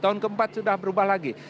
tahun keempat sudah berubah lagi